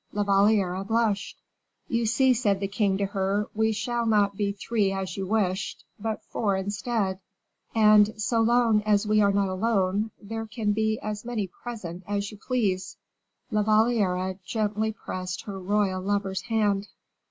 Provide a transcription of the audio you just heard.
La Valliere blushed. "You see," said the king to her, "we shall not be three as you wished, but four instead. And, so long as we are not alone, there can be as many present as you please." La Valliere gently pressed her royal lover's hand.